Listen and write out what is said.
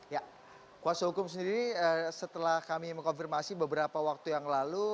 ya kuasa hukum sendiri setelah kami mengkonfirmasi beberapa waktu yang lalu